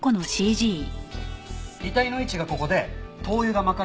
遺体の位置がここで灯油がまかれた範囲がこれね。